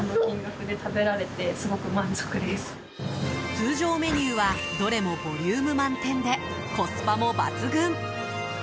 通常メニューはどれもボリューム満点でコスパも抜群！